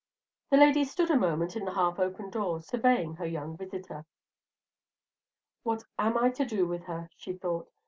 That lady stood a moment in the half open door, surveying her young visitor. "What am I to do with her?" she thought.